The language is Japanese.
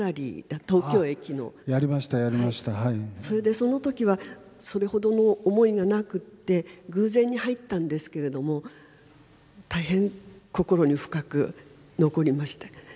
それでその時はそれほどの思いがなくって偶然に入ったんですけれども大変心に深く残りました。